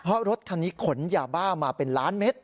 เพราะรถคันนี้ขนยาบ้ามาเป็นล้านเม็ด